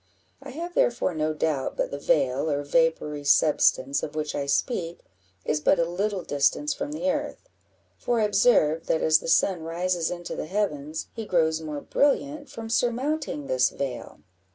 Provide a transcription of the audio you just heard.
I have therefore no doubt but the veil, or vapoury substance, of which I speak, is but a little distance from the earth; for I observe, that as the sun rises into the heavens, he grows more brilliant from surmounting this veil."